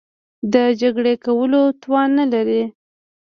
د جګړې کولو توان نه لري.